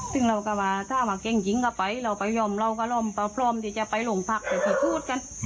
ซึ่งเราก็ว่าถ้าว่าเก่งจริงก็ไปเราไปยอมเราก็ลองประพรอมที่จะไปโรงพรรคไปผิดสูตรกัน